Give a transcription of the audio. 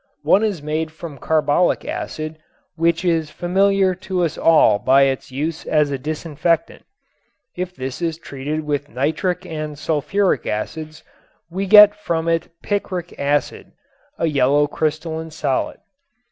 One is made from carbolic acid, which is familiar to us all by its use as a disinfectant. If this is treated with nitric and sulfuric acids we get from it picric acid, a yellow crystalline solid.